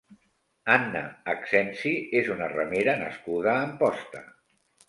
Anna Accensi és una remera nascuda a Amposta.